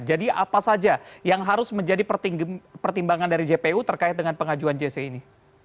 jadi apa saja yang harus menjadi pertimbangan dari jpu terkait dengan pengajuan jc ini